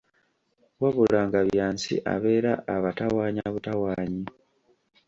Wabula nga Byansi abeera abatawaanya butawaannyi.